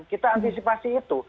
kita antisipasi itu